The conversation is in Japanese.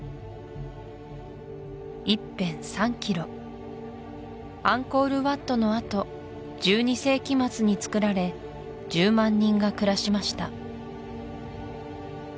１辺３ｋｍアンコール・ワットのあと１２世紀末につくられ１０万人が暮らしました